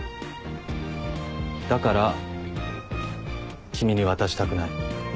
だから君に渡したくない。